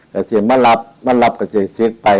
พระเจ้ามารับพระเจ้าเสียงไป